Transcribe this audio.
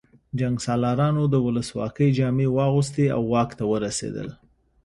جنګسالارانو د ولسواکۍ جامې واغوستې او واک ته ورسېدل